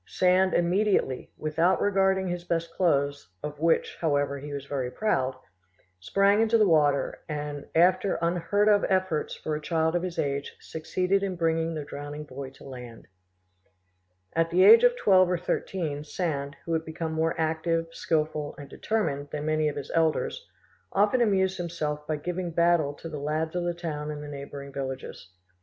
Sand immediately, without regarding his best clothes, of which, however, he was very proud, sprang into the water, and, after unheard of efforts for a child of his age, succeeded in bringing the drowning boy to land. At the age of twelve or thirteen, Sand, who had become more active, skilful, and determined than many of his elders, often amused himself by giving battle to the lads of the town and of the neighbouring villages.